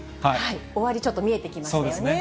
終わり、ちょっと見えてきましたよね。